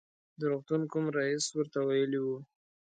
د روغتون کوم رئیس ورته ویلي و.